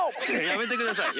やめてください